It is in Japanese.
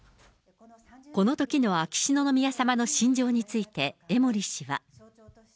このときの秋篠宮さまの心情について江森氏は。